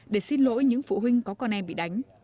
để xin lỗi những phụ huynh có con em bị đánh